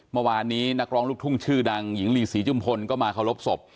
เมื่อวานนี้นักร้องลูกทุ่งชื่อดังหญิงลีศรีจุมพลก็มาเคารพศพ